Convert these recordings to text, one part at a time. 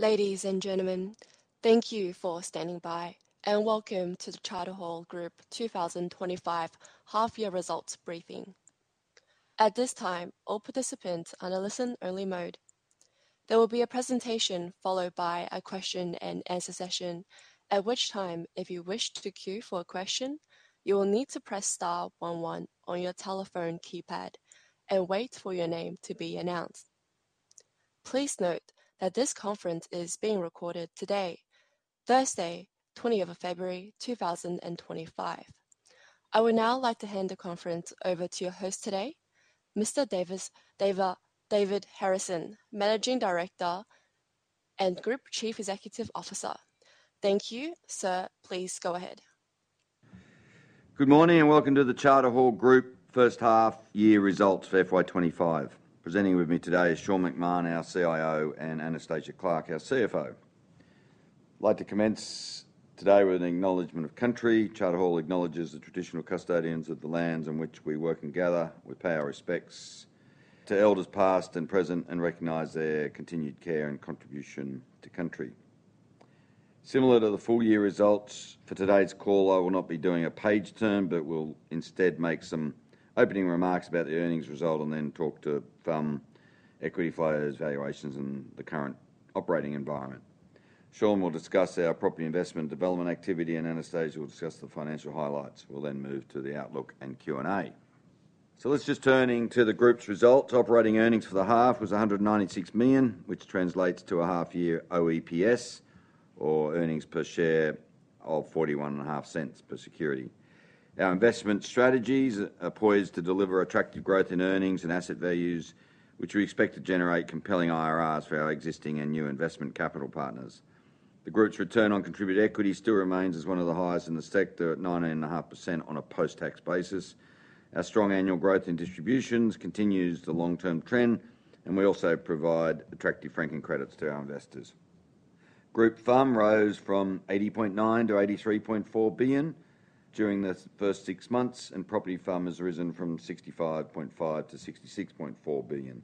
Ladies and gentlemen, thank you for standing by, and welcome to the Charter Hall Group 2025 Half-Year Results Briefing. At this time, all participants are in a listen-only mode. There will be a presentation followed by a question-and-answer session, at which time, if you wish to queue for a question, you will need to press star 11 on your telephone keypad and wait for your name to be announced. Please note that this conference is being recorded today, Thursday, 20th of February, 2025. I would now like to hand the conference over to your host today, Mr. David Harrison, Managing Director and Group Chief Executive Officer. Thank you, sir. Please go ahead. Good morning and welcome to the Charter Hall Group first half-year results for FY25. Presenting with me today is Sean McMahon, our CIO, and Anastasia Clarke, our CFO. I'd like to commence today with an acknowledgment of country. Charter Hall acknowledges the traditional custodians of the lands on which we work and gather. We pay our respects to elders past and present and recognize their continued care and contribution to country. Similar to the full-year results for today's call, I will not be doing a page turn, but will instead make some opening remarks about the earnings result and then talk to firm equity flows, valuations, and the current operating environment. Sean will discuss our property investment development activity, and Anastasia will discuss the financial highlights. We'll then move to the outlook and Q&A. So let's just turn into the group's results. Operating earnings for the half was 196 million, which translates to a half-year OEPS, or earnings per share of 0.415 per security. Our investment strategies are poised to deliver attractive growth in earnings and asset values, which we expect to generate compelling IRRs for our existing and new investment capital partners. The group's return on contributed equity still remains as one of the highest in the sector at 9.5% on a post-tax basis. Our strong annual growth in distributions continues the long-term trend, and we also provide attractive franking credits to our investors. Group FUM rose from 80.9-83.4 billion during the first six months, and property FUM has risen from 65.5-66.4 billion.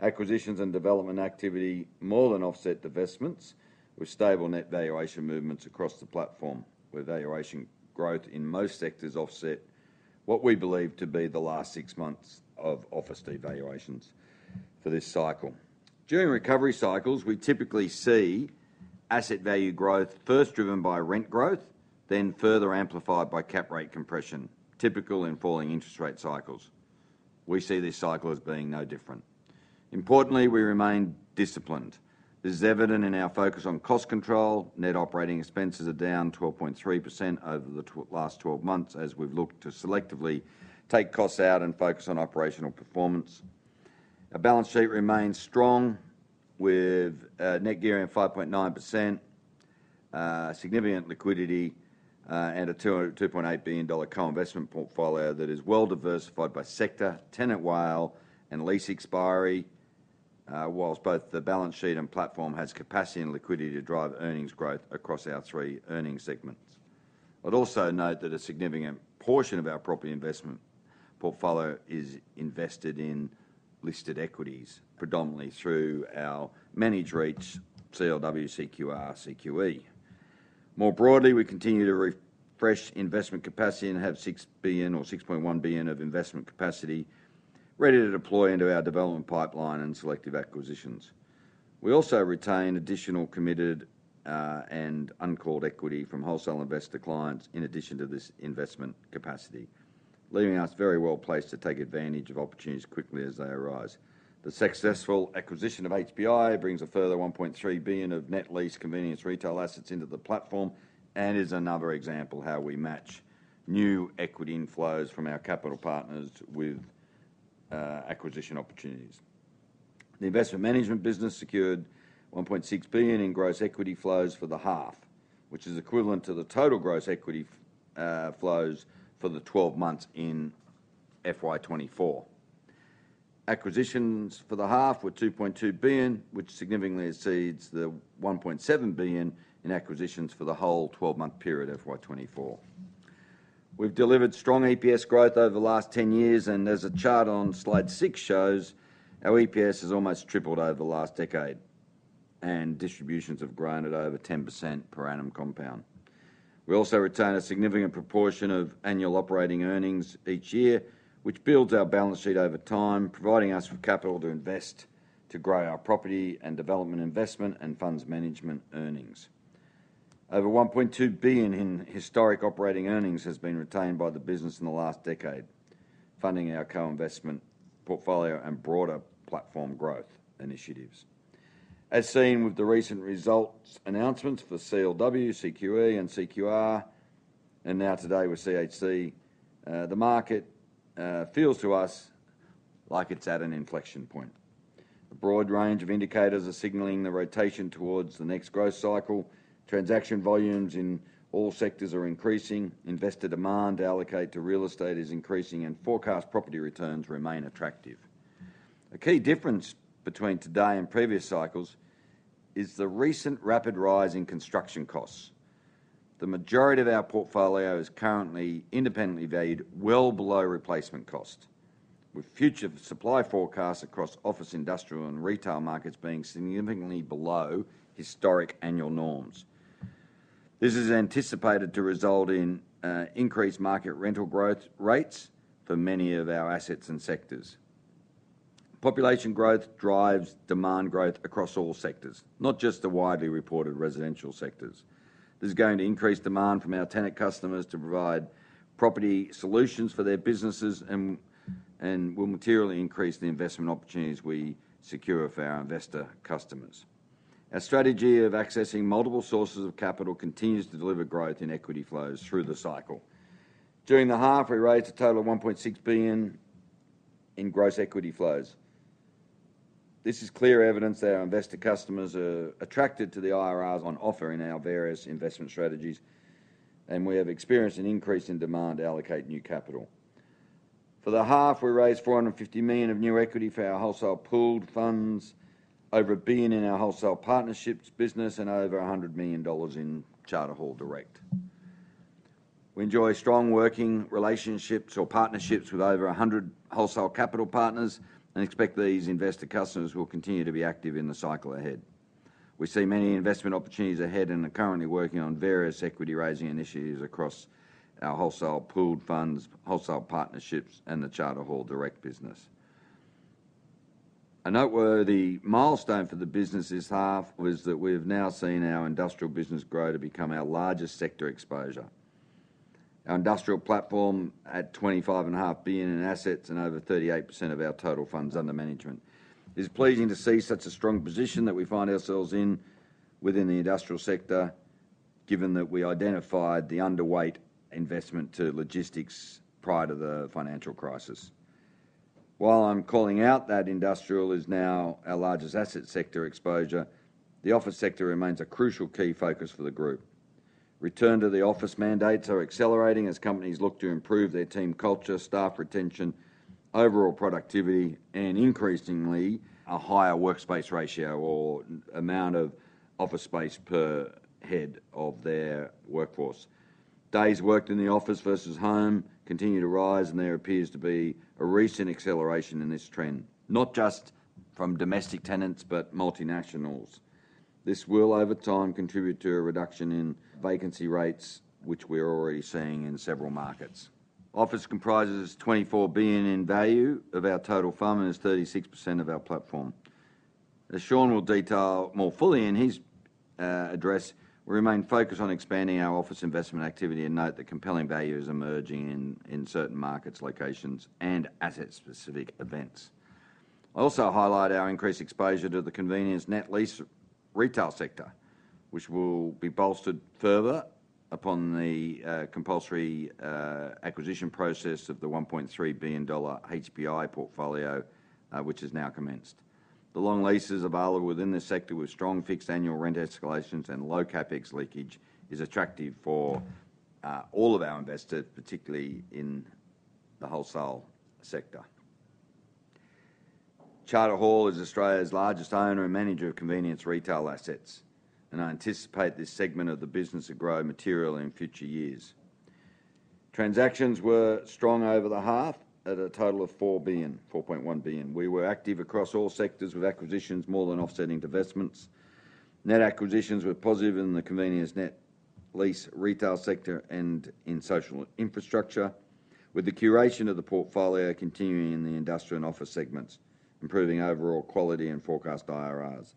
Acquisitions and development activity more than offset the divestments, with stable net valuation movements across the platform, with valuation growth in most sectors offset what we believe to be the last six months of office devaluations for this cycle. During recovery cycles, we typically see asset value growth first driven by rent growth, then further amplified by cap rate compression, typical in falling interest rate cycles. We see this cycle as being no different. Importantly, we remain disciplined. This is evident in our focus on cost control. Net operating expenses are down 12.3% over the last 12 months as we've looked to selectively take costs out and focus on operational performance. Our balance sheet remains strong with a net gearing of 5.9%, significant liquidity, and a 2.8 billion dollar co-investment portfolio that is well diversified by sector, tenant profile, and lease expiry, while both the balance sheet and platform has capacity and liquidity to drive earnings growth across our three earnings segments. I'd also note that a significant portion of our property investment portfolio is invested in listed equities, predominantly through our managed REITs, CLW, CQR, CQE. More broadly, we continue to refresh investment capacity and have 6 billion or 6.1 billion of investment capacity ready to deploy into our development pipeline and selective acquisitions. We also retain additional committed and uncalled equity from wholesale investor clients in addition to this investment capacity, leaving us very well placed to take advantage of opportunities quickly as they arise. The successful acquisition of HPI brings a further 1.3 billion of net lease convenience retail assets into the platform and is another example of how we match new equity inflows from our capital partners with acquisition opportunities. The investment management business secured 1.6 billion in gross equity flows for the half, which is equivalent to the total gross equity flows for the 12 months in FY24. Acquisitions for the half were 2.2 billion, which significantly exceeds the 1.7 billion in acquisitions for the whole 12-month period of FY24. We've delivered strong EPS growth over the last 10 years, and as the chart on slide six shows, our EPS has almost tripled over the last decade, and distributions have grown at over 10% per annum compound. We also retain a significant proportion of annual operating earnings each year, which builds our balance sheet over time, providing us with capital to invest to grow our property and development investment and funds management earnings. Over AUD 1.2 billion in historic operating earnings has been retained by the business in the last decade, funding our co-investment portfolio and broader platform growth initiatives. As seen with the recent results announcements for CLW, CQE, and CQR, and now today with CHC, the market feels to us like it's at an inflection point. A broad range of indicators are signaling the rotation towards the next growth cycle. Transaction volumes in all sectors are increasing. Investor demand allocated to real estate is increasing, and forecast property returns remain attractive. A key difference between today and previous cycles is the recent rapid rise in construction costs. The majority of our portfolio is currently independently valued well below replacement cost, with future supply forecasts across office industrial and retail markets being significantly below historic annual norms. This is anticipated to result in increased market rental growth rates for many of our assets and sectors. Population growth drives demand growth across all sectors, not just the widely reported residential sectors. This is going to increase demand from our tenant customers to provide property solutions for their businesses and will materially increase the investment opportunities we secure for our investor customers. Our strategy of accessing multiple sources of capital continues to deliver growth in equity flows through the cycle. During the half, we raised a total of 1.6 billion in gross equity flows. This is clear evidence that our investor customers are attracted to the IRRs on offer in our various investment strategies, and we have experienced an increase in demand to allocate new capital. For the half, we raised 450 million of new equity for our wholesale pooled funds, over 1 billion in our wholesale partnerships business, and over 100 million dollars in Charter Hall Direct. We enjoy strong working relationships or partnerships with over 100 wholesale capital partners and expect these investor customers will continue to be active in the cycle ahead. We see many investment opportunities ahead and are currently working on various equity raising initiatives across our wholesale pooled funds, wholesale partnerships, and the Charter Hall Direct business. A noteworthy milestone for the business this half was that we have now seen our industrial business grow to become our largest sector exposure. Our industrial platform at 25.5 billion in assets and over 38% of our total funds under management. It is pleasing to see such a strong position that we find ourselves in within the industrial sector, given that we identified the underweight investment to logistics prior to the financial crisis. While I'm calling out that industrial is now our largest asset sector exposure, the office sector remains a crucial key focus for the group. Return to the office mandates are accelerating as companies look to improve their team culture, staff retention, overall productivity, and increasingly a higher workspace ratio or amount of office space per head of their workforce. Days worked in the office versus home continue to rise, and there appears to be a recent acceleration in this trend, not just from domestic tenants, but multinationals. This will, over time, contribute to a reduction in vacancy rates, which we are already seeing in several markets. Office comprises 24 billion in value of our total fund and is 36% of our platform. As Sean will detail more fully in his address, we remain focused on expanding our office investment activity and note the compelling value is emerging in certain markets, locations, and asset-specific events. I also highlight our increased exposure to the convenience net lease retail sector, which will be bolstered further upon the compulsory acquisition process of the 1.3 billion dollar HPI portfolio, which has now commenced. The long leases available within this sector, with strong fixed annual rent escalations and low CapEx leakage, is attractive for all of our investors, particularly in the wholesale sector. Charter Hall is Australia's largest owner and manager of convenience retail assets, and I anticipate this segment of the business to grow materially in future years. Transactions were strong over the half at a total of 4 billion, 4.1 billion. We were active across all sectors with acquisitions more than offsetting divestments. Net acquisitions were positive in the convenience net lease retail sector and in social infrastructure, with the curation of the portfolio continuing in the industrial and office segments, improving overall quality and forecast IRRs.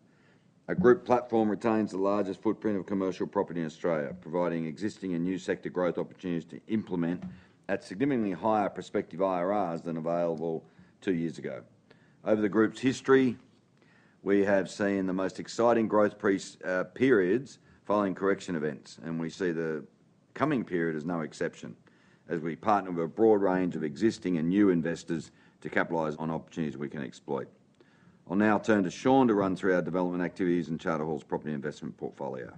Our group platform retains the largest footprint of commercial property in Australia, providing existing and new sector growth opportunities to implement at significantly higher prospective IRRs than available two years ago. Over the group's history, we have seen the most exciting growth periods following correction events, and we see the coming period as no exception as we partner with a broad range of existing and new investors to capitalize on opportunities we can exploit. I'll now turn to Sean to run through our development activities and Charter Hall's property investment portfolio.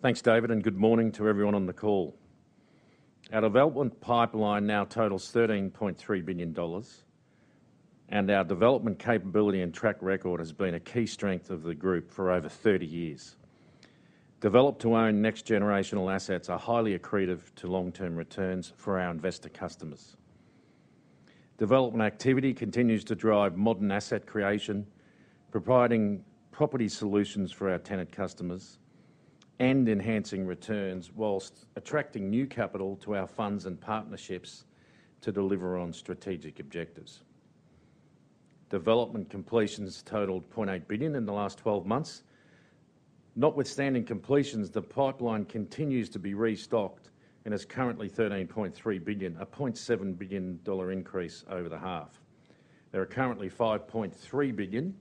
Thanks, David, and good morning to everyone on the call. Our development pipeline now totals 13.3 billion dollars, and our development capability and track record has been a key strength of the group for over 30 years. Developed to own next-generational assets are highly accretive to long-term returns for our investor customers. Development activity continues to drive modern asset creation, providing property solutions for our tenant customers and enhancing returns whilst attracting new capital to our funds and partnerships to deliver on strategic objectives. Development completions totaled 0.8 billion in the last 12 months. Notwithstanding completions, the pipeline continues to be restocked and is currently 13.3 billion, a 0.7 billion dollar increase over the half. There are currently 5.3 billion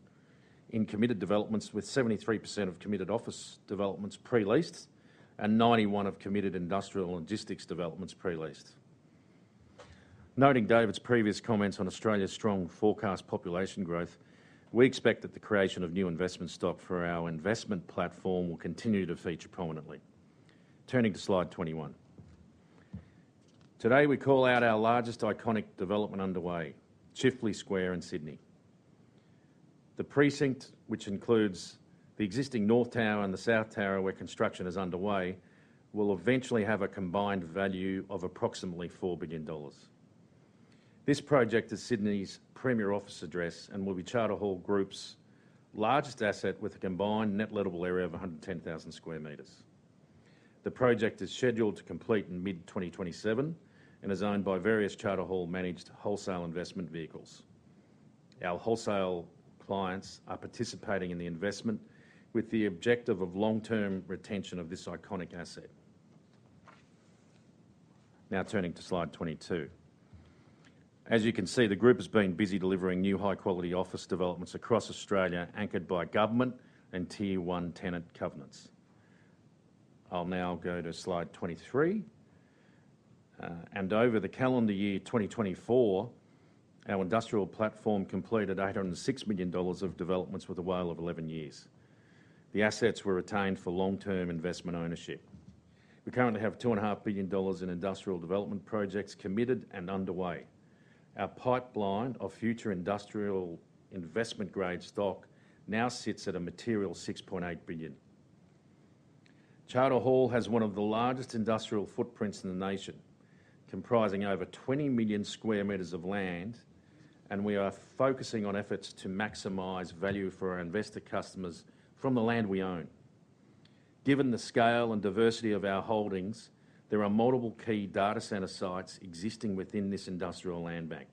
in committed developments, with 73% of committed office developments pre-leased and 91% of committed industrial and logistics developments pre-leased. Noting David's previous comments on Australia's strong forecast population growth, we expect that the creation of new investment stock for our investment platform will continue to feature prominently. Turning to slide 21. Today, we call out our largest iconic development underway, Chifley Square in Sydney. The precinct, which includes the existing North Tower and the South Tower where construction is underway, will eventually have a combined value of approximately 4 billion dollars. This project is Sydney's premier office address and will be Charter Hall Group's largest asset with a combined net lettable area of 110,000 square metres. The project is scheduled to complete in mid-2027 and is owned by various Charter Hall-managed wholesale investment vehicles. Our wholesale clients are participating in the investment with the objective of long-term retention of this iconic asset. Now turning to slide 22. As you can see, the group has been busy delivering new high-quality office developments across Australia, anchored by government and tier-one tenant covenants. I'll now go to slide 23. Over the calendar year 2024, our industrial platform completed 806 million dollars of developments with a WALE of 11 years. The assets were retained for long-term investment ownership. We currently have 2.5 billion dollars in industrial development projects committed and underway. Our pipeline of future industrial investment-grade stock now sits at a material 6.8 billion. Charter Hall has one of the largest industrial footprints in the nation, comprising over 20 million square meters of land, and we are focusing on efforts to maximize value for our investor customers from the land we own. Given the scale and diversity of our holdings, there are multiple key data center sites existing within this industrial land bank.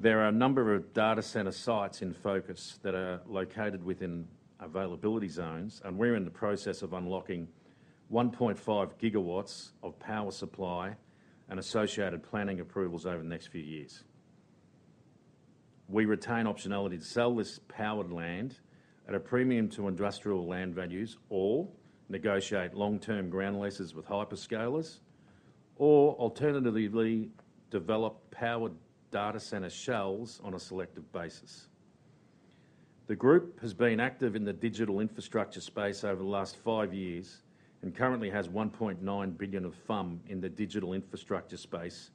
There are a number of data center sites in focus that are located within availability zones, and we're in the process of unlocking 1.5 gigawatts of power supply and associated planning approvals over the next few years. We retain optionality to sell this powered land at a premium to industrial land values or negotiate long-term ground leases with hyperscalers or alternatively develop powered data center shells on a selective basis. The group has been active in the digital infrastructure space over the last five years and currently has 1.9 billion of funds in the digital infrastructure space,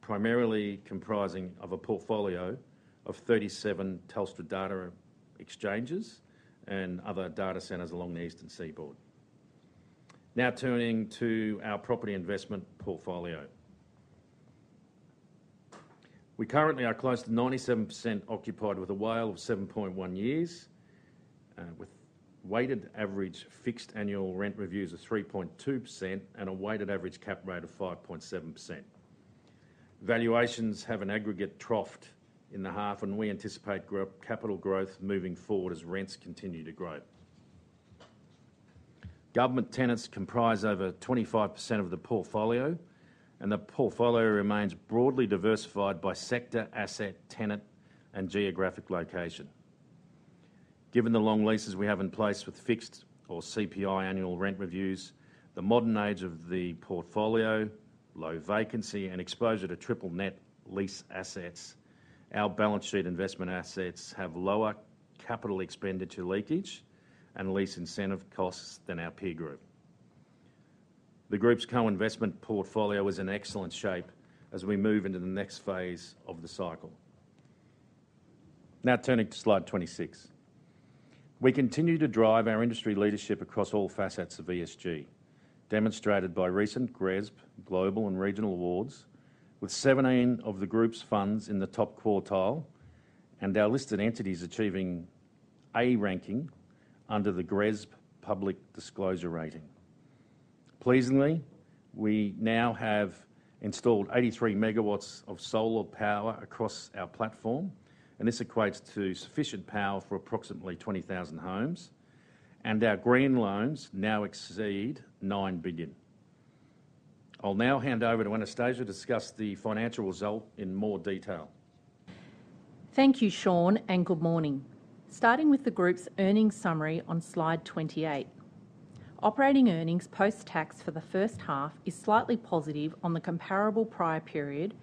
primarily comprising of a portfolio of 37 Telstra data exchanges and other data centers along the Eastern Seaboard. Now turning to our property investment portfolio. We currently are close to 97% occupied with a WALE of 7.1 years, with weighted average fixed annual rent reviews of 3.2% and a weighted average cap rate of 5.7%. Valuations have an aggregate troughed in the half, and we anticipate capital growth moving forward as rents continue to grow. Government tenants comprise over 25% of the portfolio, and the portfolio remains broadly diversified by sector, asset, tenant, and geographic location. Given the long leases we have in place with fixed or CPI annual rent reviews, the modern age of the portfolio, low vacancy, and exposure to triple-net lease assets, our balance sheet investment assets have lower capital expenditure leakage and lease incentive costs than our peer group. The group's co-investment portfolio is in excellent shape as we move into the next phase of the cycle. Now turning to slide 26. We continue to drive our industry leadership across all facets of ESG, demonstrated by recent GRESB Global and Regional Awards, with 17 of the group's funds in the top quartile and our listed entities achieving A ranking under the GRESB public disclosure rating. Pleasingly, we now have installed 83 megawatts of solar power across our platform, and this equates to sufficient power for approximately 20,000 homes, and our green loans now exceed 9 billion. I'll now hand over to Anastasia to discuss the financial result in more detail. Thank you, Sean, and good morning. Starting with the group's earnings summary on slide 28. Operating earnings post-tax for the first half is slightly positive on the comparable prior period,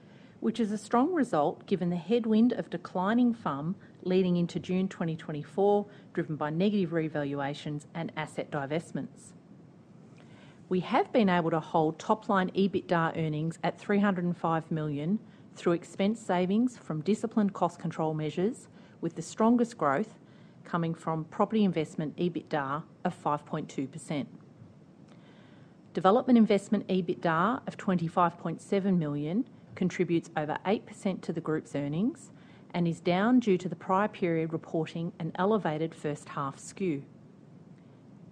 which is a strong result given the headwind of declining funds leading into June 2024, driven by negative revaluations and asset divestments. We have been able to hold top-line EBITDA earnings at 305 million through expense savings from disciplined cost control measures, with the strongest growth coming from property investment EBITDA of 5.2%. Development investment EBITDA of 25.7 million contributes over 8% to the group's earnings and is down due to the prior period reporting an elevated first half skew.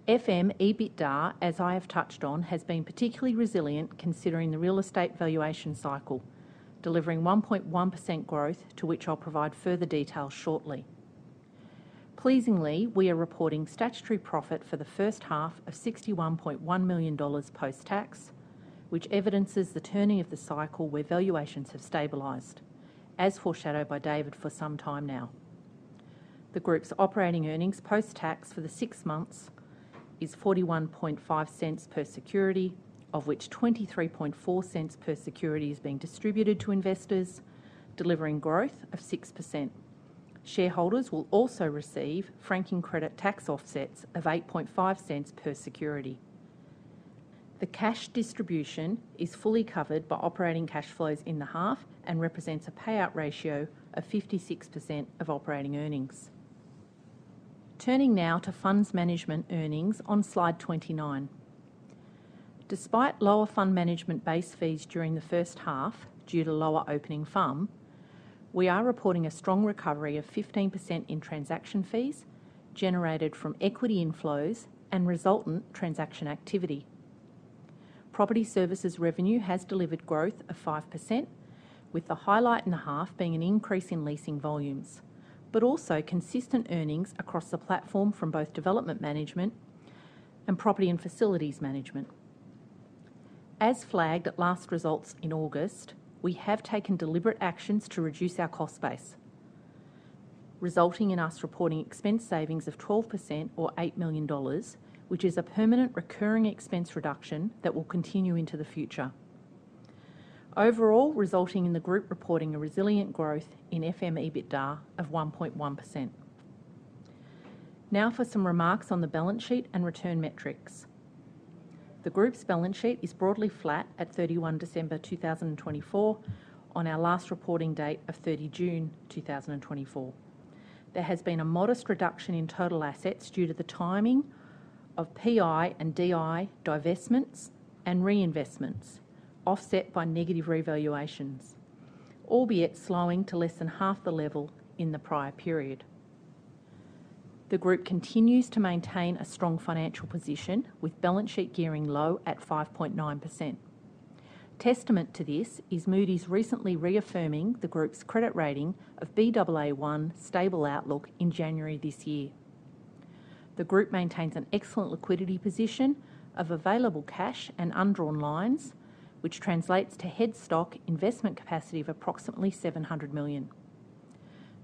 FM EBITDA, as I have touched on, has been particularly resilient considering the real estate valuation cycle, delivering 1.1% growth, to which I'll provide further detail shortly. Pleasingly, we are reporting statutory profit for the first half of 61.1 million dollars post-tax, which evidences the turning of the cycle where valuations have stabilized, as foreshadowed by David for some time now. The group's operating earnings post-tax for the six months is 0.415 per security, of which 0.234 per security is being distributed to investors, delivering growth of 6%. Shareholders will also receive franking credits tax offsets of 0.85 per security. The cash distribution is fully covered by operating cash flows in the half and represents a payout ratio of 56% of operating earnings. Turning now to funds management earnings on slide 29. Despite lower fund management base fees during the first half due to lower opening funds, we are reporting a strong recovery of 15% in transaction fees generated from equity inflows and resultant transaction activity. Property services revenue has delivered growth of 5%, with the highlight in the half being an increase in leasing volumes, but also consistent earnings across the platform from both development management and property and facilities management. As flagged at last results in August, we have taken deliberate actions to reduce our cost base, resulting in us reporting expense savings of 12% or 8 million dollars, which is a permanent recurring expense reduction that will continue into the future. Overall, resulting in the group reporting a resilient growth in FM EBITDA of 1.1%. Now for some remarks on the balance sheet and return metrics. The group's balance sheet is broadly flat at 31 December 2024 on our last reporting date of 30 June 2024. There has been a modest reduction in total assets due to the timing of PI and DI divestments and reinvestments, offset by negative revaluations, albeit slowing to less than half the level in the prior period. The group continues to maintain a strong financial position with balance sheet gearing low at 5.9%. Testament to this is Moody's recently reaffirming the group's credit rating of BAA1 stable outlook in January this year. The group maintains an excellent liquidity position of available cash and undrawn lines, which translates to headroom for investment capacity of approximately 700 million.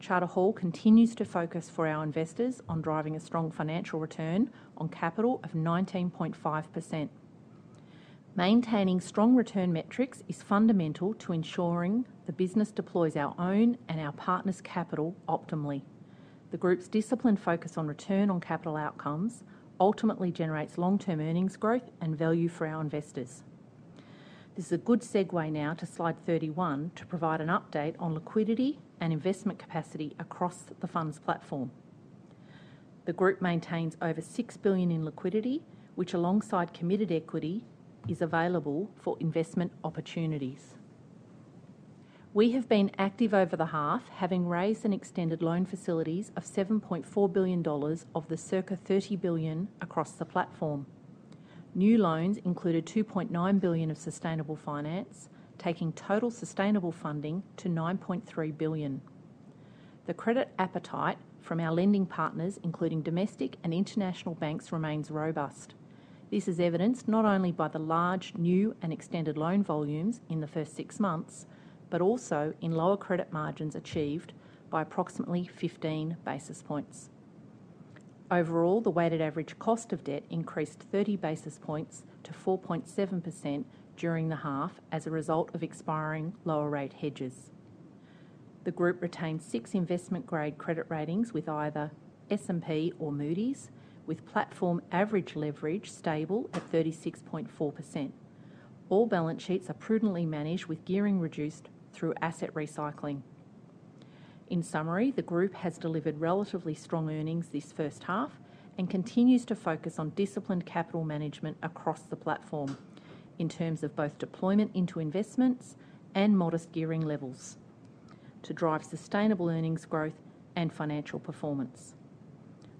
Charter Hall continues to focus for our investors on driving a strong financial return on capital of 19.5%. Maintaining strong return metrics is fundamental to ensuring the business deploys our own and our partners' capital optimally. The group's disciplined focus on return on capital outcomes ultimately generates long-term earnings growth and value for our investors. This is a good segue now to slide 31 to provide an update on liquidity and investment capacity across the funds platform. The group maintains over 6 billion in liquidity, which alongside committed equity is available for investment opportunities. We have been active over the half, having raised an extended loan facilities of 7.4 billion dollars of the circa 30 billion across the platform. New loans included 2.9 billion of sustainable finance, taking total sustainable funding to 9.3 billion. The credit appetite from our lending partners, including domestic and international banks, remains robust. This is evidenced not only by the large new and extended loan volumes in the first six months, but also in lower credit margins achieved by approximately 15 basis points. Overall, the weighted average cost of debt increased 30 basis points to 4.7% during the half as a result of expiring lower rate hedges. The group retains six investment-grade credit ratings with either S&P or Moody's, with platform average leverage stable at 36.4%. All balance sheets are prudently managed with gearing reduced through asset recycling. In summary, the group has delivered relatively strong earnings this first half and continues to focus on disciplined capital management across the platform in terms of both deployment into investments and modest gearing levels to drive sustainable earnings growth and financial performance.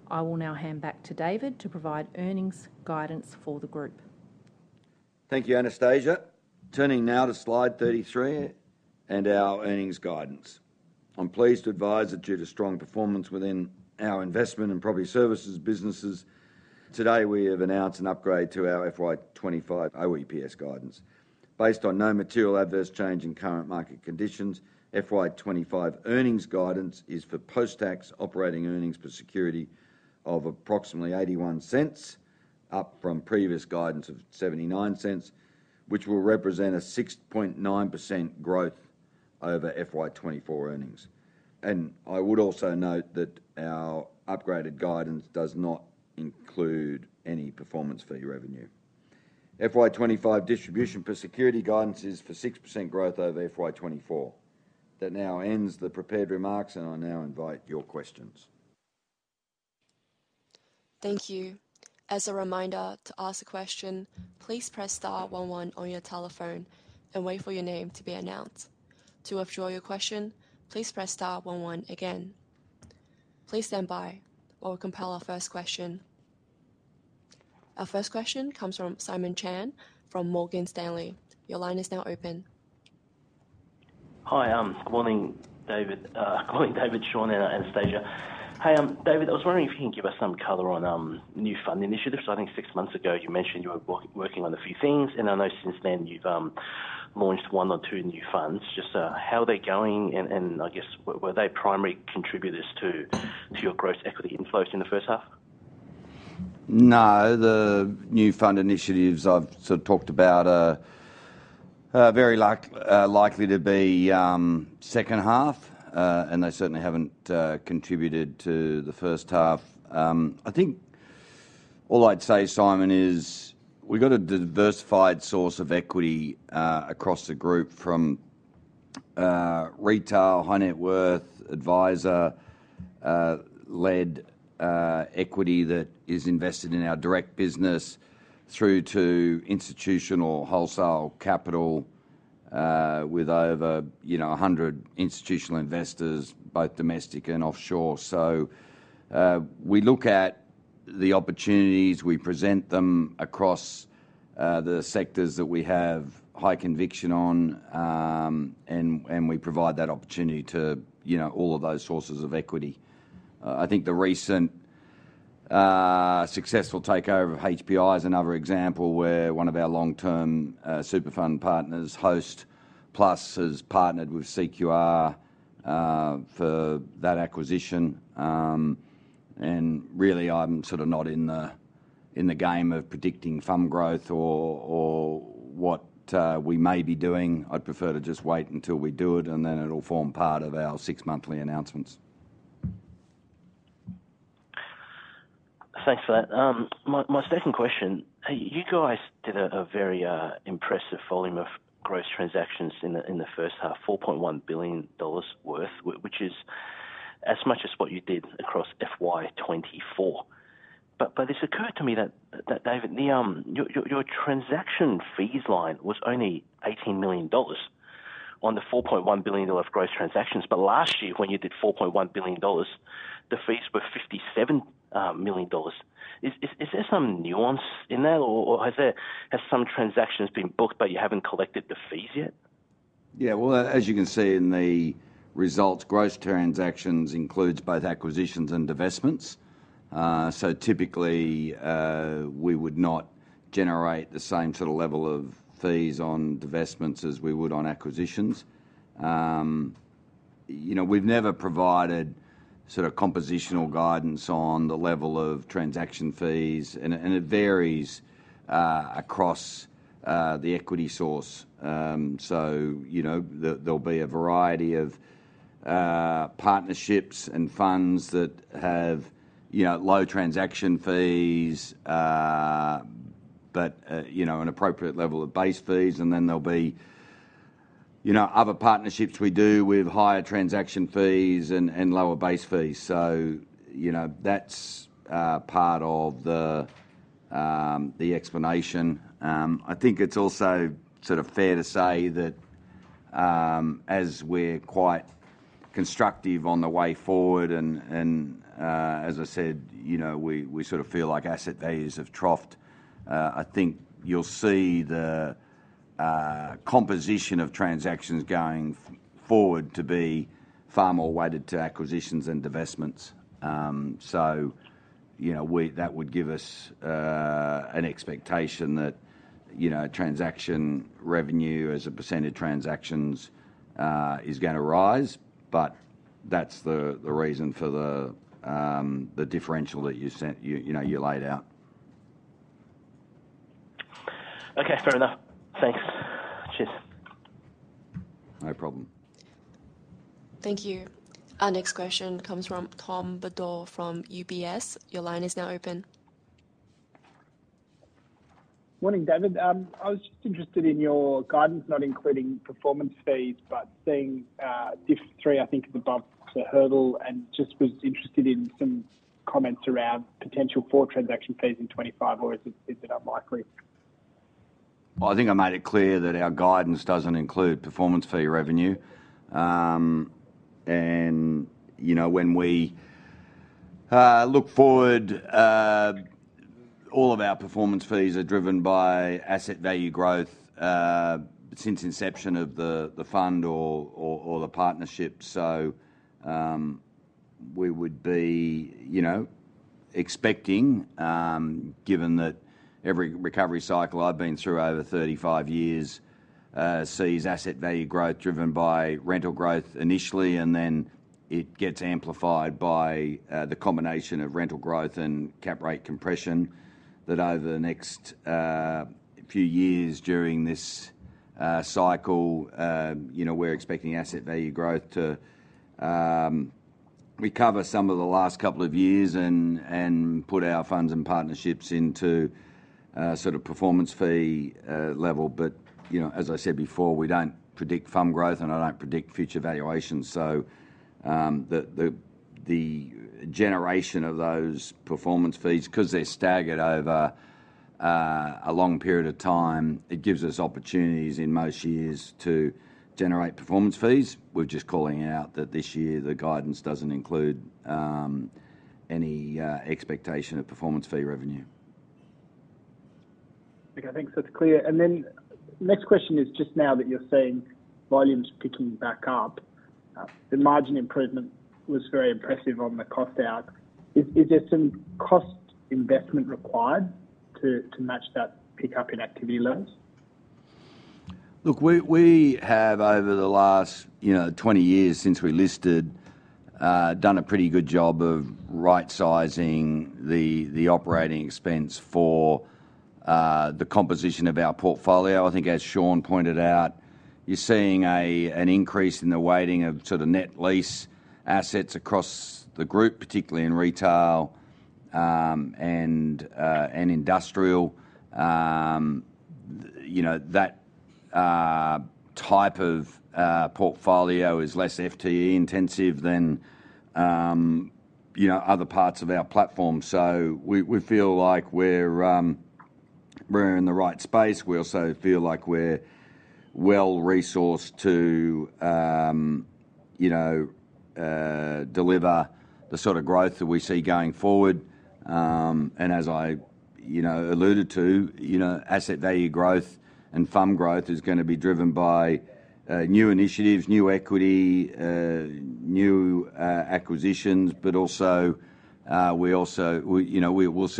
I will now hand back to David to provide earnings guidance for the group. Thank you, Anastasia. Turning now to slide 33 and our earnings guidance. I'm pleased to advise that due to strong performance within our investment and property services businesses, today we have announced an upgrade to our FY25 OEPS guidance. Based on no material adverse change in current market conditions, FY25 earnings guidance is for post-tax operating earnings per security of approximately 0.81, up from previous guidance of 0.79, which will represent a 6.9% growth over FY24 earnings, and I would also note that our upgraded guidance does not include any performance fee revenue. FY25 distribution per security guidance is for 6% growth over FY24. That now ends the prepared remarks, and I now invite your questions. Thank you. As a reminder to ask a question, please press star one one on your telephone and wait for your name to be announced. To withdraw your question, please press star one one again. Please stand by while we compile our first question. Our first question comes from Simon Chan from Morgan Stanley. Your line is now open. Hi, good morning, David. Good morning, David, Sean, and Anastasia. Hi, David. I was wondering if you can give us some color on new fund initiatives. I think six months ago you mentioned you were working on a few things, and I know since then you've launched one or two new funds. Just how are they going? And I guess, were they primary contributors to your gross equity inflows in the first half? No, the new fund initiatives I've sort of talked about are very likely to be second half, and they certainly haven't contributed to the first half. I think all I'd say, Simon, is we've got a diversified source of equity across the group from retail, high net worth, advisor-led equity that is invested in our direct business through to institutional wholesale capital with over 100 institutional investors, both domestic and offshore. So we look at the opportunities, we present them across the sectors that we have high conviction on, and we provide that opportunity to all of those sources of equity. I think the recent successful takeover of HPI is another example where one of our long-term super fund partners, Hostplus, has partnered with CQR for that acquisition, and really, I'm sort of not in the game of predicting fund growth or what we may be doing. I'd prefer to just wait until we do it, and then it'll form part of our six-monthly announcements. Thanks for that. My second question, you guys did a very impressive volume of gross transactions in the first half, 4.1 billion dollars worth, which is as much as what you did across FY24. But this occurred to me that, David, your transaction fees line was only 18 million dollars on the 4.1 billion dollar of gross transactions, but last year, when you did 4.1 billion dollars, the fees were 57 million dollars. Is there some nuance in that, or have some transactions been booked, but you haven't collected the fees yet? Yeah, well, as you can see in the results, gross transactions includes both acquisitions and divestments. So typically, we would not generate the same sort of level of fees on divestments as we would on acquisitions. We've never provided sort of compositional guidance on the level of transaction fees, and it varies across the equity source. So there'll be a variety of partnerships and funds that have low transaction fees but an appropriate level of base fees, and then there'll be other partnerships we do with higher transaction fees and lower base fees. So that's part of the explanation. I think it's also sort of fair to say that as we're quite constructive on the way forward, and as I said, we sort of feel like asset values have troughed, I think you'll see the composition of transactions going forward to be far more weighted to acquisitions and divestments. So that would give us an expectation that transaction revenue as a percentage of transactions is going to rise, but that's the reason for the differential that you laid out. Okay, fair enough. Thanks. Cheers. No problem. Thank you. Our next question comes from Tom Beadle from UBS. Your line is now open. Good morning, David. I was just interested in your guidance, not including performance fees, but seeing DIF3, I think, is above the hurdle, and just was interested in some comments around potential forward transaction fees in 2025, or is it unlikely? I think I made it clear that our guidance doesn't include performance fee revenue. When we look forward, all of our performance fees are driven by asset value growth since inception of the fund or the partnership. We would be expecting, given that every recovery cycle I've been through over 35 years sees asset value growth driven by rental growth initially, and then it gets amplified by the combination of rental growth and cap rate compression, that over the next few years during this cycle, we're expecting asset value growth to recover some of the last couple of years and put our funds and partnerships into sort of performance fee level. As I said before, we don't predict fund growth, and I don't predict future valuations. So the generation of those performance fees, because they're staggered over a long period of time, it gives us opportunities in most years to generate performance fees. We're just calling out that this year the guidance doesn't include any expectation of performance fee revenue. Okay, thanks. That's clear. And then next question is just now that you're saying volumes are picking back up, the margin improvement was very impressive on the cost out. Is there some cost investment required to match that pickup in activity levels? Look, we have over the last 20 years since we listed done a pretty good job of right-sizing the operating expense for the composition of our portfolio. I think as Sean pointed out, you're seeing an increase in the weighting of sort of net lease assets across the group, particularly in retail and industrial. That type of portfolio is less FTE-intensive than other parts of our platform. So we feel like we're in the right space. We also feel like we're well-resourced to deliver the sort of growth that we see going forward. And as I alluded to, asset value growth and fund growth is going to be driven by new initiatives, new equity, new acquisitions, but also we'll see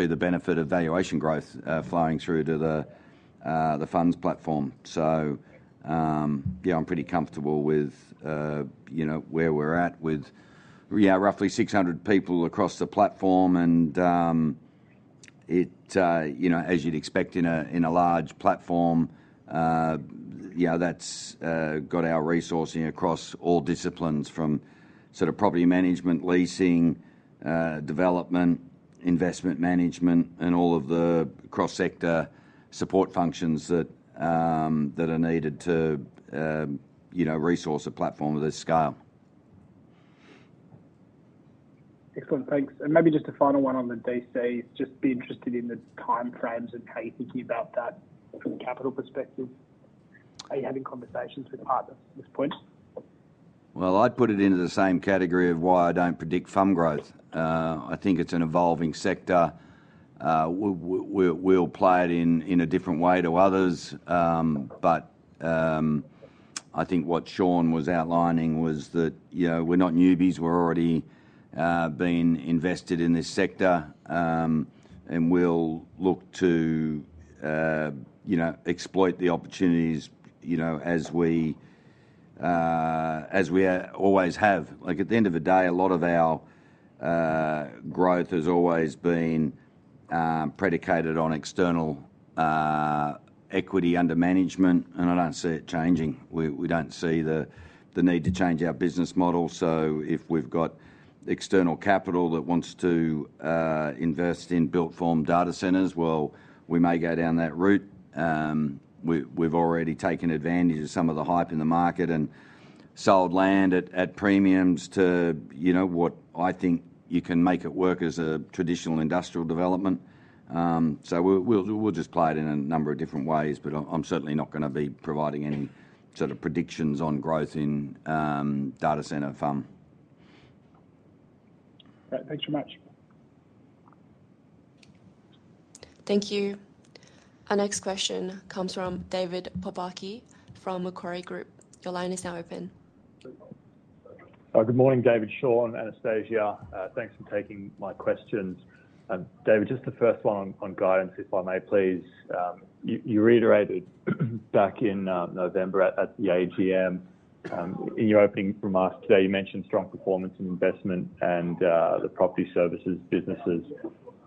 the benefit of valuation growth flowing through to the funds platform. So yeah, I'm pretty comfortable with where we're at with roughly 600 people across the platform. And as you'd expect in a large platform, that's got our resourcing across all disciplines from sort of property management, leasing, development, investment management, and all of the cross-sector support functions that are needed to resource a platform of this scale. Excellent. Thanks. And maybe just a final one on the DC, just be interested in the timeframes and how you're thinking about that from a capital perspective. Are you having conversations with partners at this point? I'd put it into the same category of why I don't predict fund growth. I think it's an evolving sector. We'll play it in a different way to others, but I think what Sean was outlining was that we're not newbies. We're already being invested in this sector, and we'll look to exploit the opportunities as we always have. At the end of the day, a lot of our growth has always been predicated on external equity under management, and I don't see it changing. We don't see the need to change our business model. So if we've got external capital that wants to invest in built-form data centers, well, we may go down that route. We've already taken advantage of some of the hype in the market and sold land at premiums to what I think you can make it work as a traditional industrial development. So we'll just play it in a number of different ways, but I'm certainly not going to be providing any sort of predictions on growth in data center fund. Thanks very much. Thank you. Our next question comes from David Pobatschnig from Macquarie Group. Your line is now open. Good morning, David. Sean, Anastasia. Thanks for taking my questions. David, just the first one on guidance, if I may please. You reiterated back in November at the AGM, in your opening remarks today, you mentioned strong performance and investment and the property services businesses.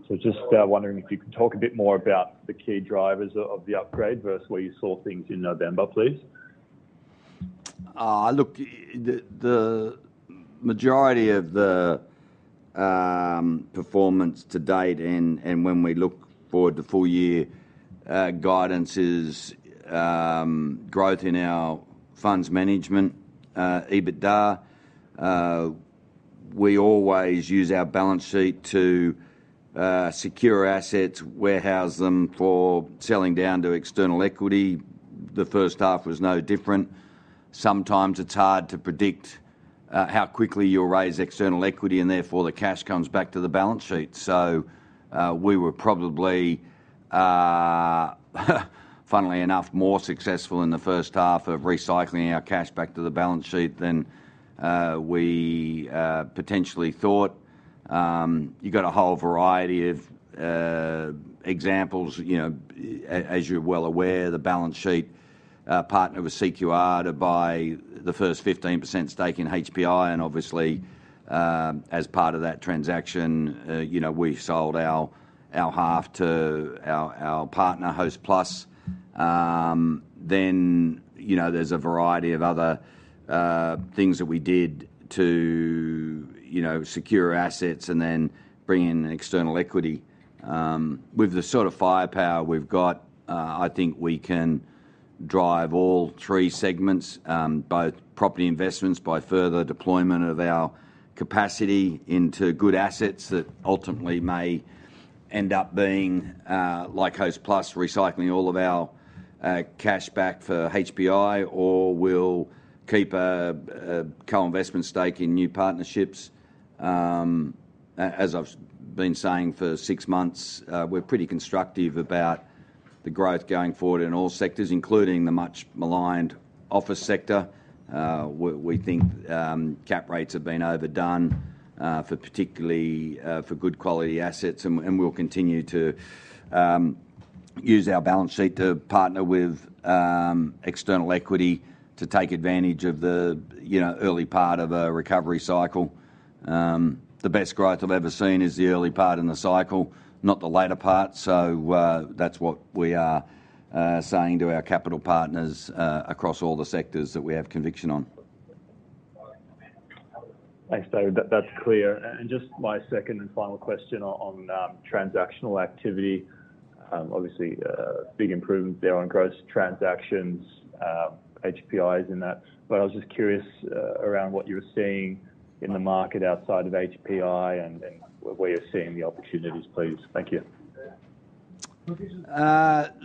So just wondering if you could talk a bit more about the key drivers of the upgrade versus where you saw things in November, please. Look, the majority of the performance to date and when we look forward to full-year guidance is growth in our funds management, EBITDA. We always use our balance sheet to secure assets, warehouse them for selling down to external equity. The first half was no different. Sometimes it's hard to predict how quickly you'll raise external equity, and therefore the cash comes back to the balance sheet. So we were probably, funnily enough, more successful in the first half of recycling our cash back to the balance sheet than we potentially thought. You've got a whole variety of examples. As you're well aware, the balance sheet partnered with CQR to buy the first 15% stake in HPI. And obviously, as part of that transaction, we sold our half to our partner, Hostplus. Then there's a variety of other things that we did to secure assets and then bring in external equity. With the sort of firepower we've got, I think we can drive all three segments, both property investments by further deployment of our capacity into good assets that ultimately may end up being like Hostplus, recycling all of our cash back for HPI, or we'll keep a co-investment stake in new partnerships. As I've been saying for six months, we're pretty constructive about the growth going forward in all sectors, including the much-maligned office sector. We think cap rates have been overdone particularly for good quality assets, and we'll continue to use our balance sheet to partner with external equity to take advantage of the early part of a recovery cycle. The best growth I've ever seen is the early part in the cycle, not the later part. So that's what we are saying to our capital partners across all the sectors that we have conviction on. Thanks, David. That's clear. And just my second and final question on transactional activity. Obviously, big improvement there on gross transactions, HPI is in that. But I was just curious around what you were seeing in the market outside of HPI and where you're seeing the opportunities, please. Thank you.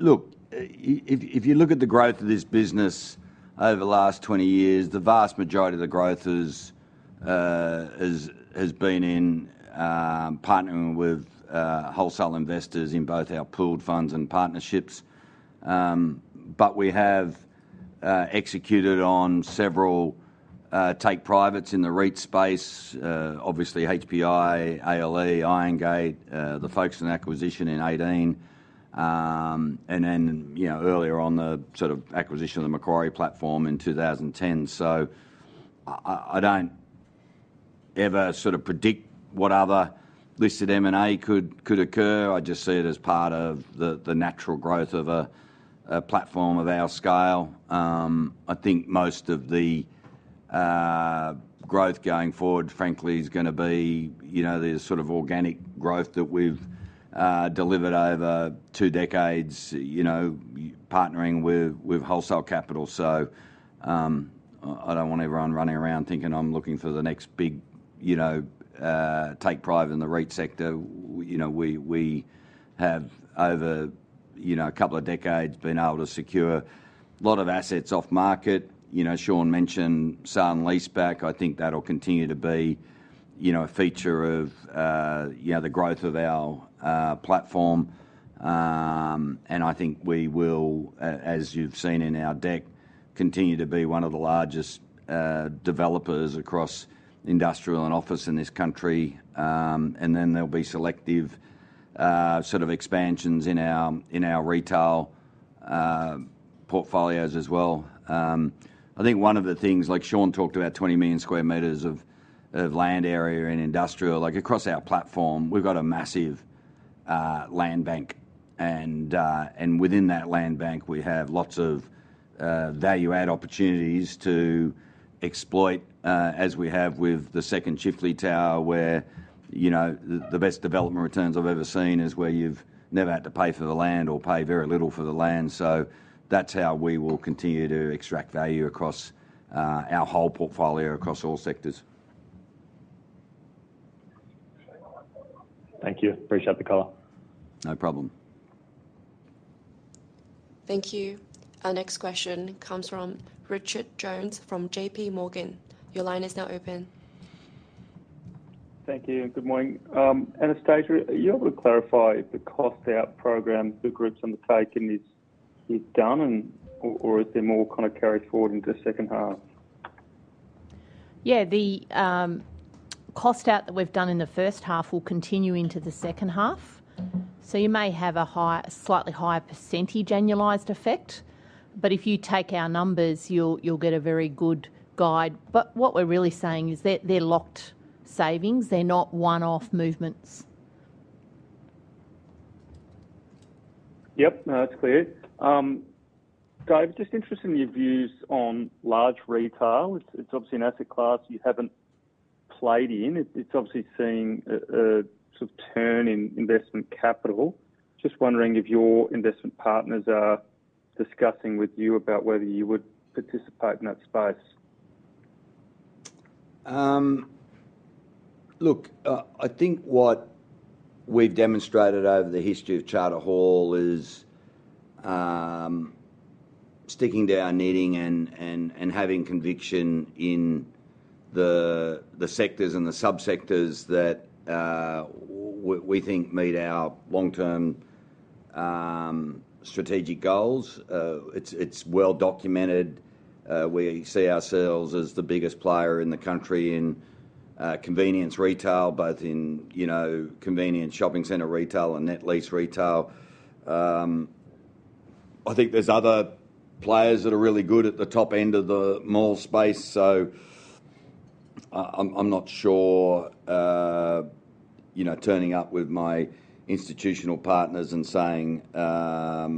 Look, if you look at the growth of this business over the last 20 years, the vast majority of the growth has been in partnering with wholesale investors in both our pooled funds and partnerships. But we have executed on several take-privates in the REIT space, obviously HPI, ALE, Irongate, the folks in acquisition in 2018, and then earlier on the sort of acquisition of the Macquarie platform in 2010. So I don't ever sort of predict what other listed M&A could occur. I just see it as part of the natural growth of a platform of our scale. I think most of the growth going forward, frankly, is going to be. There's sort of organic growth that we've delivered over two decades partnering with wholesale capital. So I don't want everyone running around thinking I'm looking for the next big take-private in the REIT sector. We have, over a couple of decades, been able to secure a lot of assets off-market. Sean mentioned selling lease back. I think that'll continue to be a feature of the growth of our platform. And I think we will, as you've seen in our deck, continue to be one of the largest developers across industrial and office in this country. And then there'll be selective sort of expansions in our retail portfolios as well. I think one of the things, like Sean talked about, 20 million sq m of land area in industrial, across our platform, we've got a massive land bank. And within that land bank, we have lots of value-add opportunities to exploit, as we have with the second Chifley Tower, where the best development returns I've ever seen is where you've never had to pay for the land or pay very little for the land. So that's how we will continue to extract value across our whole portfolio, across all sectors. Thank you. Appreciate the call. No problem. Thank you. Our next question comes from Richard Jones from J.P. Morgan. Your line is now open. Thank you. Good morning. Anastasia, are you able to clarify if the cost-out program for the Group undertaken is done or is it more kind of carried forward into the second half? Yeah. The cost-out that we've done in the first half will continue into the second half. So you may have a slightly higher percentage annualized effect, but if you take our numbers, you'll get a very good guide. But what we're really saying is they're locked savings. They're not one-off movements. Yep. No, that's clear. David, just interested in your views on large retail. It's obviously an asset class you haven't played in. It's obviously seeing a sort of turn in investment capital. Just wondering if your investment partners are discussing with you about whether you would participate in that space. Look, I think what we've demonstrated over the history of Charter Hall is sticking to our knitting and having conviction in the sectors and the subsectors that we think meet our long-term strategic goals. It's well documented. We see ourselves as the biggest player in the country in convenience retail, both in convenience shopping center retail and net lease retail. I think there's other players that are really good at the top end of the mall space. So I'm not sure turning up with my institutional partners and saying, "All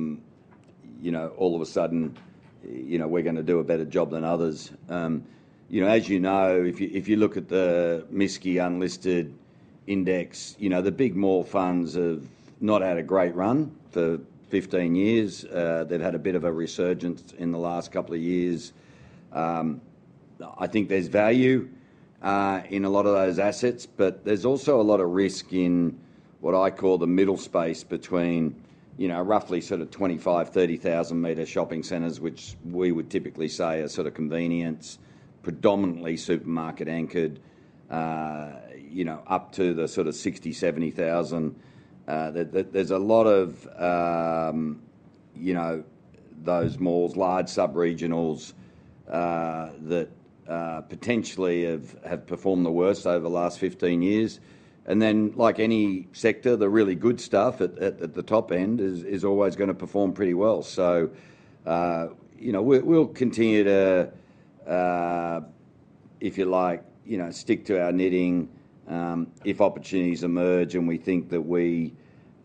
of a sudden, we're going to do a better job than others." As you know, if you look at the MSCI Unlisted Index, the big mall funds have not had a great run for 15 years. They've had a bit of a resurgence in the last couple of years. I think there's value in a lot of those assets, but there's also a lot of risk in what I call the middle space between roughly sort of 25,000-30,000-meter shopping centers, which we would typically say are sort of convenience, predominantly supermarket anchored, up to the sort of 60,000-70,000. There's a lot of those malls, large subregionals that potentially have performed the worst over the last 15 years, and then, like any sector, the really good stuff at the top end is always going to perform pretty well, so we'll continue to, if you like, stick to our knitting. If opportunities emerge and we think that we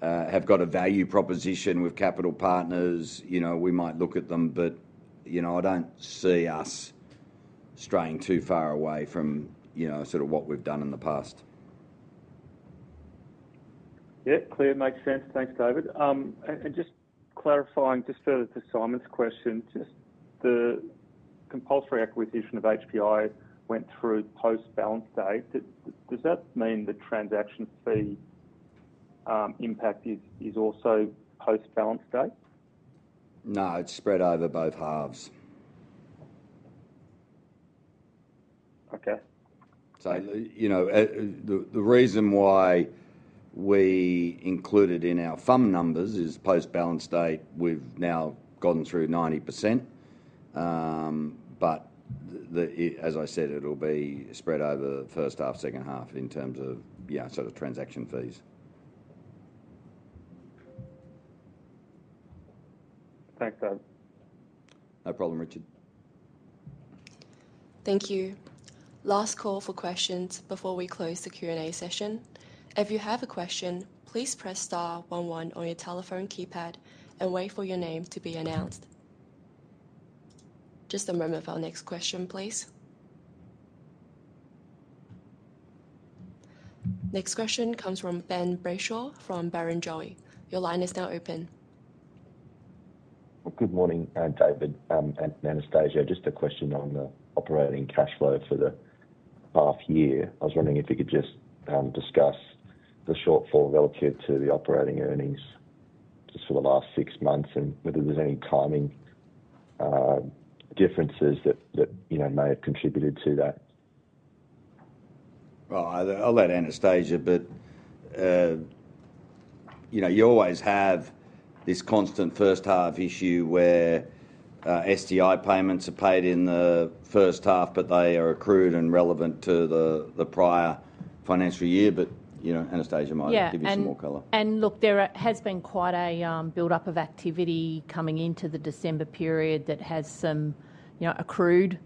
have got a value proposition with capital partners, we might look at them, but I don't see us straying too far away from sort of what we've done in the past. Yep. Clear. Makes sense. Thanks, David. And just clarifying just further to Simon's question, just the compulsory acquisition of HPI went through post-balance date. Does that mean the transaction fee impact is also post-balance date? No. It's spread over both halves. Okay. So the reason why we included in our fund numbers is post-balance date, we've now gotten through 90%. But as I said, it'll be spread over the first half, second half in terms of sort of transaction fees. Thanks, David. No problem, Richard. Thank you. Last call for questions before we close the Q&A session. If you have a question, please press star one one on your telephone keypad and wait for your name to be announced. Just a moment for our next question, please. Next question comes from Ben Brayshaw from Barrenjoey. Your line is now open. Good morning, David and Anastasia. Just a question on the operating cash flow for the half year. I was wondering if you could just discuss the shortfall relative to the operating earnings just for the last six months and whether there's any timing differences that may have contributed to that? I'll let Anastasia, but you always have this constant first half issue where STI payments are paid in the first half, but they are accrued and relevant to the prior financial year. Anastasia might give you some more color. Look, there has been quite a build-up of activity coming into the December period that has some accrued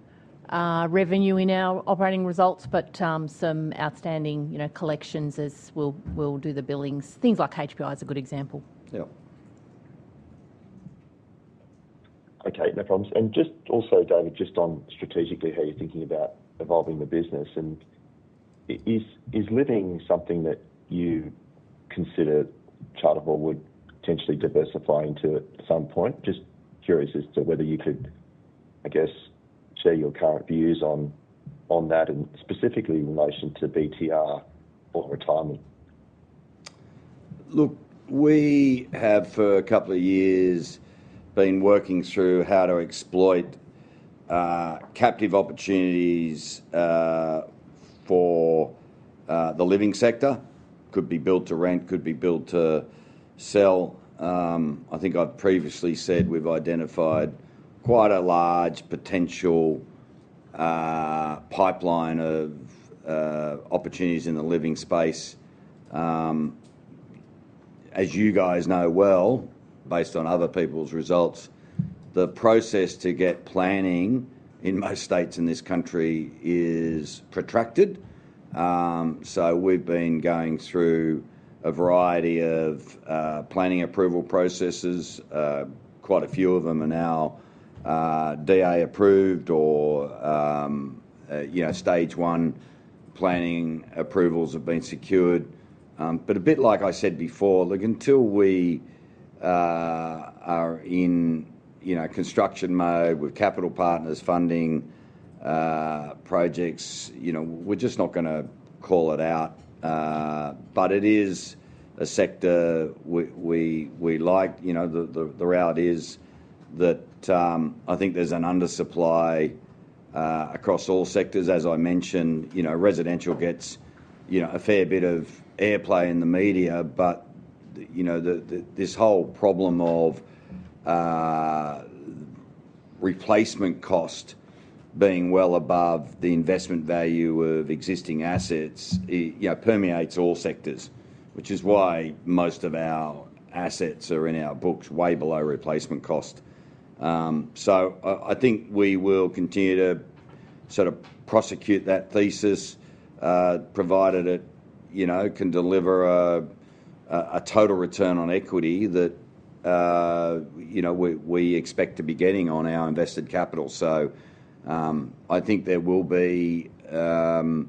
revenue in our operating results, but some outstanding collections as we'll do the billings. Things like HPI is a good example. Okay. No problems and just also, David, just on strategically how you're thinking about evolving the business, and is living something that you consider Charter Hall would potentially diversify into at some point? Just curious as to whether you could, I guess, share your current views on that and specifically in relation to BTR or retirement. Look, we have for a couple of years been working through how to exploit captive opportunities for the living sector. Could be built to rent, could be built to sell. I think I've previously said we've identified quite a large potential pipeline of opportunities in the living space. As you guys know well, based on other people's results, the process to get planning in most states in this country is protracted. So we've been going through a variety of planning approval processes. Quite a few of them are now DA approved or stage one planning approvals have been secured. But a bit like I said before, look, until we are in construction mode with capital partners funding projects, we're just not going to call it out. But it is a sector we like. The reality is that I think there's an undersupply across all sectors. As I mentioned, residential gets a fair bit of airplay in the media, but this whole problem of replacement cost being well above the investment value of existing assets permeates all sectors, which is why most of our assets are in our books way below replacement cost, so I think we will continue to sort of prosecute that thesis provided it can deliver a total return on equity that we expect to be getting on our invested capital, so I think there will be more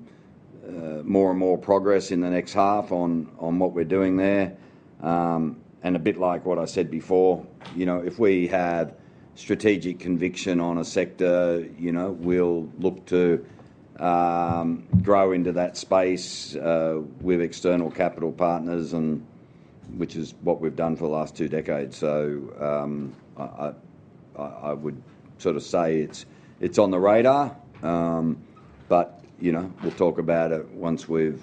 and more progress in the next half on what we're doing there, and a bit like what I said before, if we have strategic conviction on a sector, we'll look to grow into that space with external capital partners, which is what we've done for the last two decades. So I would sort of say it's on the radar, but we'll talk about it once we've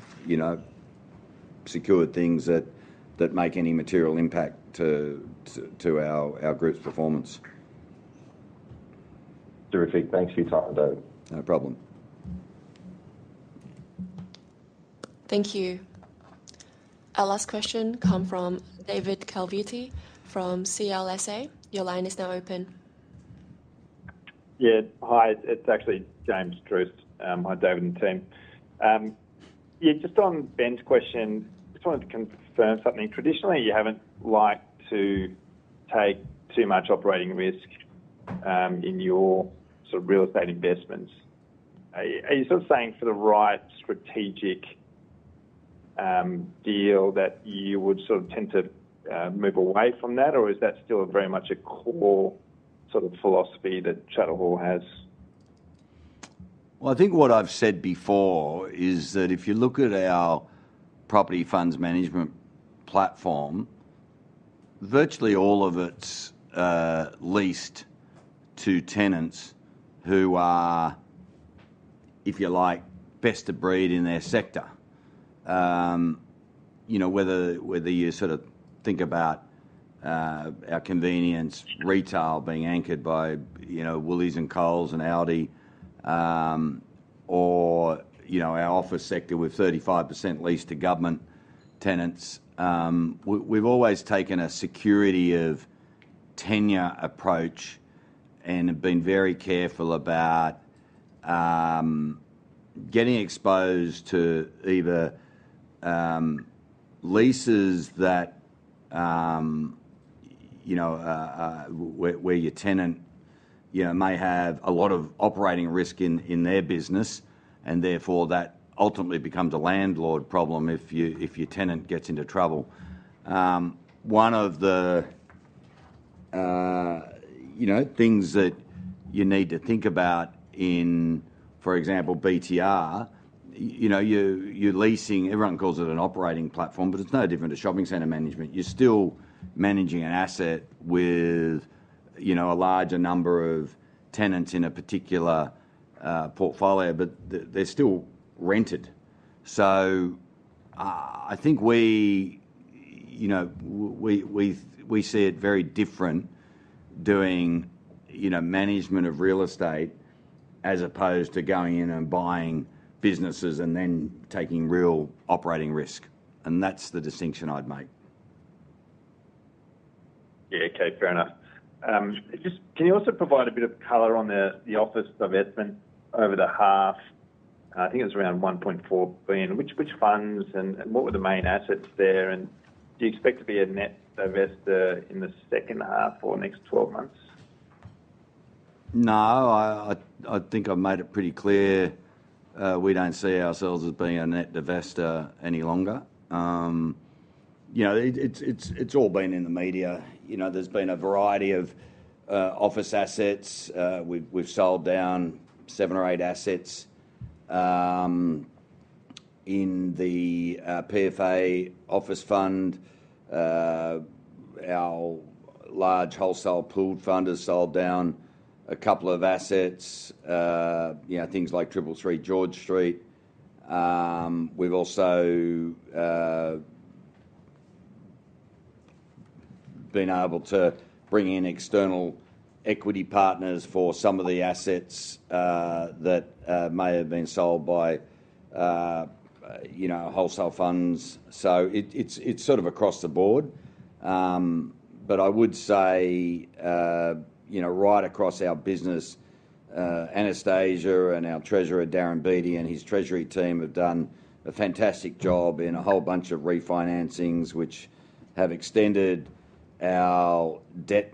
secured things that make any material impact to our group's performance. Terrific. Thanks for your time, David. No problem. Thank you. Our last question comes from David Calviuti from CLSA. Your line is now open. Yeah. Hi. It's actually James Druce. Hi, David and team. Yeah. Just on Ben's question, just wanted to confirm something. Traditionally, you haven't liked to take too much operating risk in your sort of real estate investments. Are you sort of saying for the right strategic deal that you would sort of tend to move away from that, or is that still very much a core sort of philosophy that Charter Hall has? I think what I've said before is that if you look at our property funds management platform, virtually all of it's leased to tenants who are, if you like, best in breed in their sector. Whether you sort of think about our convenience retail being anchored by Woolworths and Coles and ALDI, or our office sector with 35% leased to government tenants, we've always taken a security of tenure approach and have been very careful about getting exposed to either leases where your tenant may have a lot of operating risk in their business, and therefore that ultimately becomes a landlord problem if your tenant gets into trouble. One of the things that you need to think about in, for example, BTR, you're leasing, everyone calls it an operating platform, but it's no different to shopping center management. You're still managing an asset with a larger number of tenants in a particular portfolio, but they're still rented. So I think we see it very different doing management of real estate as opposed to going in and buying businesses and then taking real operating risk. And that's the distinction I'd make. Yeah. Okay. Fair enough. Just can you also provide a bit of color on the office divestment over the half? I think it was around 1.4 billion. Which funds and what were the main assets there? And do you expect to be a net divestor in the second half or next 12 months? No. I think I've made it pretty clear we don't see ourselves as being a net divestor any longer. It's all been in the media. There's been a variety of office assets. We've sold down seven or eight assets. In the PFA office fund, our large wholesale pooled fund has sold down a couple of assets, things like 333 George Street. We've also been able to bring in external equity partners for some of the assets that may have been sold by wholesale funds. So it's sort of across the board. But I would say right across our business, Anastasia and our treasurer, Darren Beaty, and his treasury team have done a fantastic job in a whole bunch of refinancings, which have extended our debt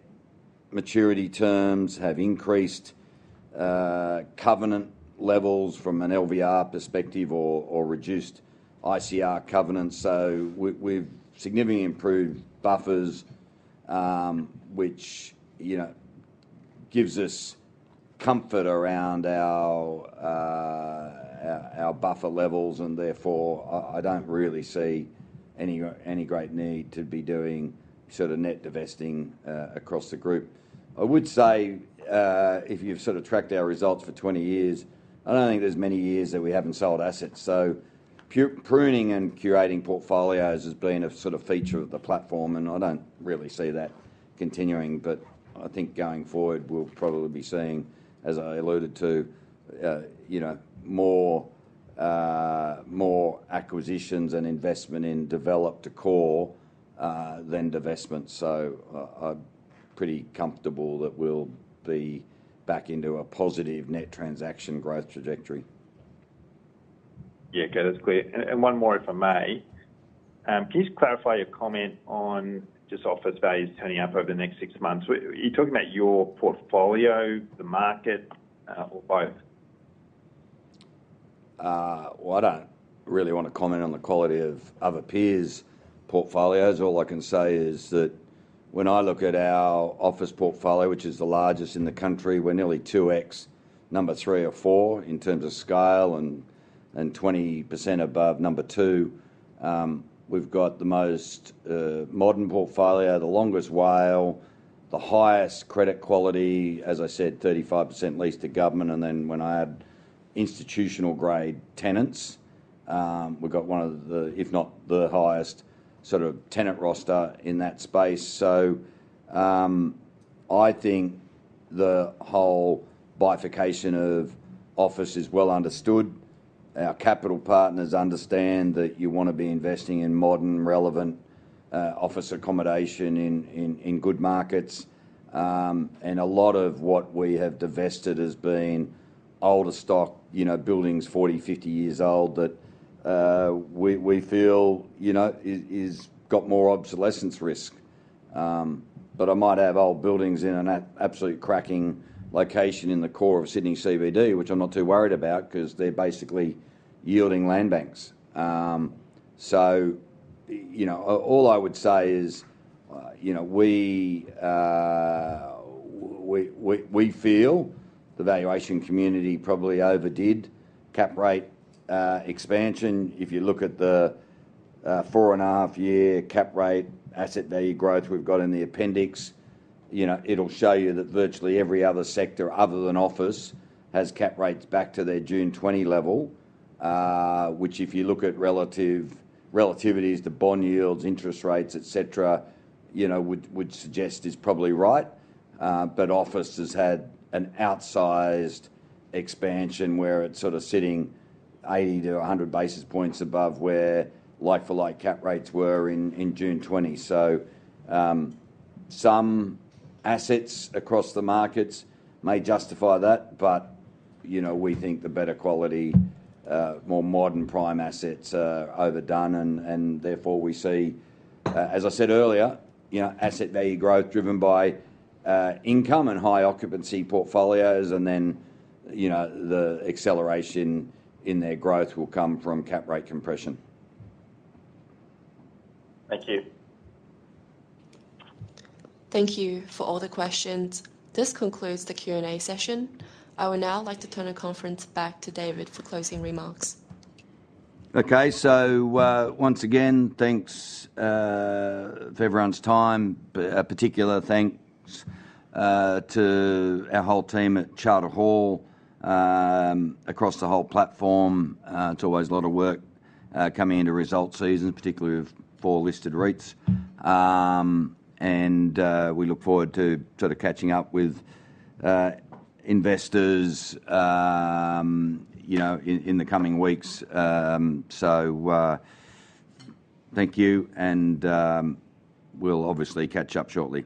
maturity terms, have increased covenant levels from an LVR perspective, or reduced ICR covenants. So we've significantly improved buffers, which gives us comfort around our buffer levels. And therefore, I don't really see any great need to be doing sort of net divesting across the group. I would say if you've sort of tracked our results for 20 years, I don't think there's many years that we haven't sold assets. So pruning and curating portfolios has been a sort of feature of the platform, and I don't really see that continuing. But I think going forward, we'll probably be seeing, as I alluded to, more acquisitions and investment in developed core than divestment. So I'm pretty comfortable that we'll be back into a positive net transaction growth trajectory. Yeah. Okay. That's clear. And one more, if I may. Can you just clarify your comment on just office values turning up over the next six months? Are you talking about your portfolio, the market, or both? I don't really want to comment on the quality of other peers' portfolios. All I can say is that when I look at our office portfolio, which is the largest in the country, we're nearly 2x number three or four in terms of scale, and 20% above number two. We've got the most modern portfolio, the longest WALE, the highest credit quality. As I said, 35% leased to government, and then when I add institutional-grade tenants, we've got one of the, if not the highest, sort of tenant roster in that space, so I think the whole bifurcation of office is well understood. Our capital partners understand that you want to be investing in modern, relevant office accommodation in good markets, and a lot of what we have divested has been older stock, buildings 40, 50 years old that we feel has got more obsolescence risk. But I might have old buildings in an absolute cracking location in the core of Sydney CBD, which I'm not too worried about because they're basically yielding land banks. So all I would say is we feel the valuation community probably overdid cap rate expansion. If you look at the four-and-a-half-year cap rate asset value growth we've got in the appendix, it'll show you that virtually every other sector other than office has cap rates back to their June 2020 level, which if you look at relative relativities, the bond yields, interest rates, etc., would suggest is probably right. But office has had an outsized expansion where it's sort of sitting 80-100 basis points above where like-for-like cap rates were in June 2020. So some assets across the markets may justify that, but we think the better quality, more modern prime assets are overdone. Therefore, we see, as I said earlier, asset value growth driven by income and high-occupancy portfolios, and then the acceleration in their growth will come from cap rate compression. Thank you. Thank you for all the questions. This concludes the Q&A session. I would now like to turn the conference back to David for closing remarks. Okay, so once again, thanks for everyone's time. A particular thanks to our whole team at Charter Hall across the whole platform. It's always a lot of work coming into results seasons, particularly for listed REITs, and we look forward to sort of catching up with investors in the coming weeks, so thank you, and we'll obviously catch up shortly.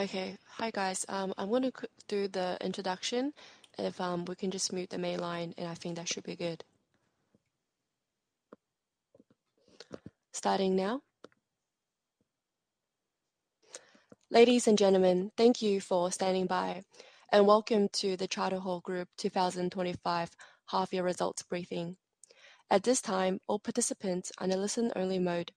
Okay. Hi, guys. I'm going to do the introduction. If we can just mute the main line, and I think that should be good. Starting now. Ladies and gentlemen, thank you for standing by, and welcome to the Charter Hall Group 2025 Half-Year Results Briefing. At this time, all participants are in a listen-only mode.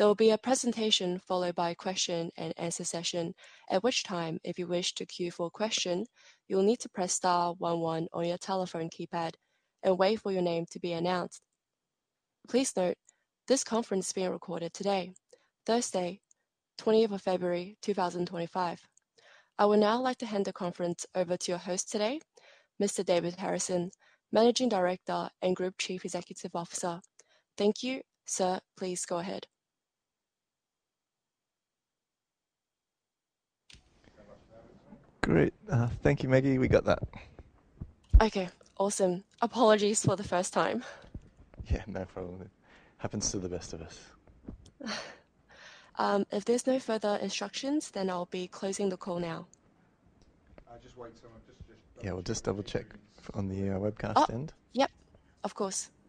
There will be a presentation followed by a question-and-answer session, at which time, if you wish to queue for a question, you'll need to press star one one on your telephone keypad and wait for your name to be announced. Please note, this conference is being recorded today, Thursday, 20th of February, 2025. I would now like to hand the conference over to your host today, Mr. David Harrison, Managing Director and Group Chief Executive Officer. Thank you. Sir, please go ahead. Great. Thank you, Maggie. We got that. Okay. Awesome. Apologies for the first time. Yeah. No problem. It happens to the best of us. If there's no further instructions, then I'll be closing the call now. Yeah. We'll just double-check on the webcast end. Yep. Of course.